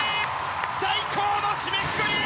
最高の締めくくり！